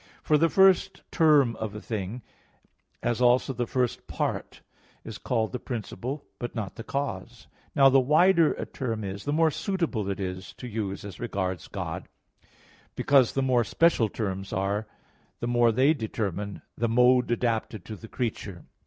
For the first term of a thing, as also the first part, is called the principle, but not the cause. Now the wider a term is, the more suitable it is to use as regards God (Q. 13, A. 11), because the more special terms are, the more they determine the mode adapted to the creature.